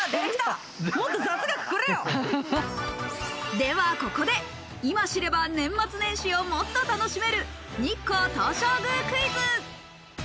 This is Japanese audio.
ではここで、今、知れば年末年始をもっと楽しめる日光東照宮クイズ。